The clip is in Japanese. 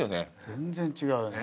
全然違うね。